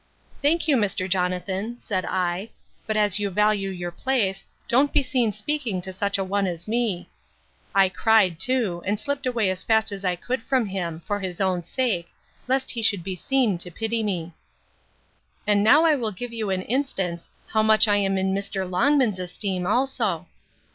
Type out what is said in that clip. Thank you, Mr. Jonathan, said I; but as you value your place, don't be seen speaking to such a one as me. I cried too; and slipt away as fast as I could from him, for his own sake, lest he should be seen to pity me. And now I will give you an instance how much I am in Mr. Longman's esteem also.